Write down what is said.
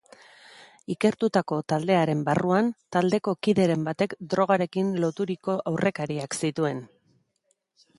Ikertutako taldearen barruan, taldeko kideren batek drogarekin loturiko aurrekariak zituen.